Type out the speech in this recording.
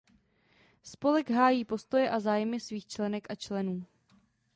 Spolek hájí postoje a zájmy svých členek a členů.